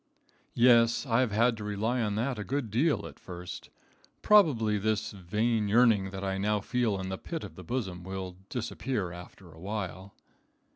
"Yes, I've had to rely on that a good deal at first. Probably this vain yearning that I now feel in the pit of the bosom will disappear after awhile."